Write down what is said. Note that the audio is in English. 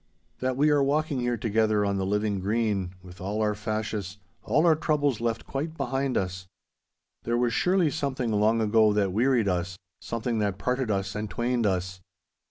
That we are walking here together on the living green—with all our fashes, all our troubles left quite behind us. There was surely something long ago that wearied us, something that parted us and twained us.